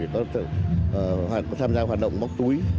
tham gia hoạt động bóc túi